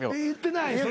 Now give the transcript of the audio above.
言ってない。